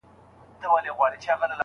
له یوه لاسه تر بل پوري رسیږي